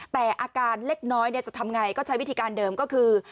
แต่อาการเล็กน้อยจะทำไงก็ใช้วิธีการเดิมก็คือ